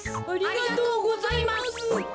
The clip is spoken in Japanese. ありがとうございます。